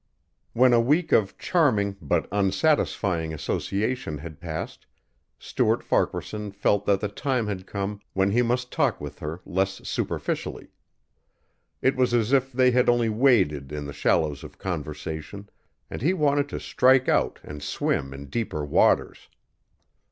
When a week of charming but unsatisfying association had passed Stuart Farquaharson felt that the time had come when he must talk with her less superficially. It was as if they had only waded in the shallows of conversation and he wanted to strike out and swim in deeper waters.